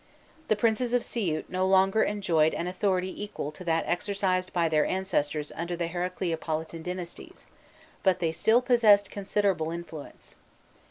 The princes of Siut no longer en joyed an authority equal to that exercised by their ancestors under the Heracleopolitan dynasties, but they still possessed considerable influence.